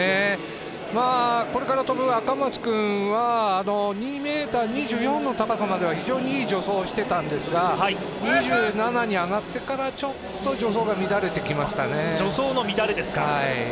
これから跳ぶ赤松君は２ｍ２４の高さまでは非常にいい助走をしてたんですが、２７に上がってから助走が乱れてきましたね。